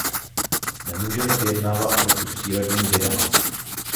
Nemůžeme vyjednávat proti přírodním vědám.